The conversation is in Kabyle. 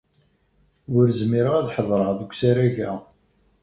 Ur zmireɣ ad ḥedṛeɣ deg usarag-a.